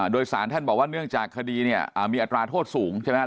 โดยสารท่านบอกว่าเนื่องจากคดีเนี่ยมีอัตราโทษสูงใช่ไหม